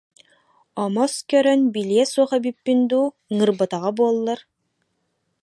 Омос көрөн билиэ суох эбиппин дуу, ыҥырбатаҕа буоллар